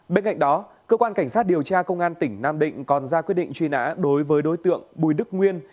bên cạnh đó cơ quan cảnh sát điều tra công an tỉnh nam định còn ra quyết định truy nã đối với đối tượng bùi đức nguyên